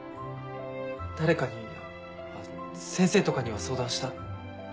誰かにあっ先生とかには相談した？